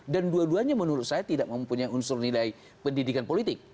dan dua duanya menurut saya tidak mempunyai unsur nilai pendidikan politik